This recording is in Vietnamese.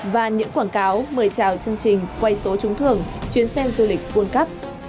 và những quảng cáo mời chào chương trình quay số trúng thường chuyến xem du lịch world cup